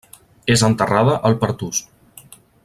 És enterrada al Pertús.